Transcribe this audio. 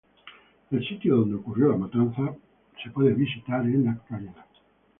El sitio donde ocurrió la matanza puede ser visitado en la actualidad.